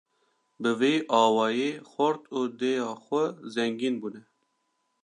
Bi vî awayî xort û dêya xwe zengîn bûne.